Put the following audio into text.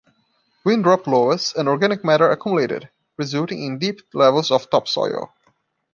Wind-dropped loess and organic matter accumulated, resulting in deep levels of topsoil.